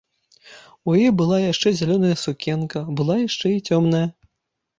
У яе была яшчэ зялёная сукенка, была яшчэ і цёмная.